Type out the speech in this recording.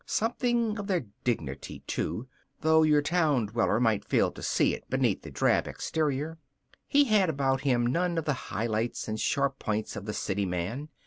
Something of their dignity, too, though your town dweller might fail to see it beneath the drab exterior. He had about him none of the highlights and sharp points of the city man.